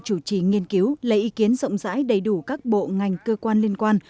chủ trì nghiên cứu lấy ý kiến rộng rãi đầy đủ các bộ ngành cơ quan liên quan